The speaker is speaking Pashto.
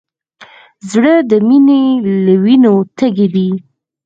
زړه د مینې له وینو تږی دی.